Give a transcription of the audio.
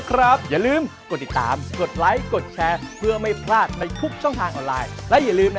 คุณนี่มันจริงเลย